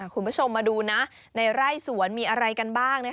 คุณผู้ชมมาดูนะในไร่สวนมีอะไรกันบ้าง